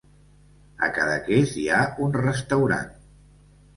A Cadaqués hi ha un restaurant.